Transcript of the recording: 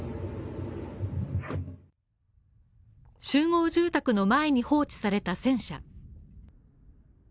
集合住宅の前に放置された戦車。